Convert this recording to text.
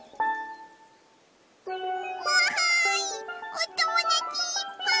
おともだちいっぱい！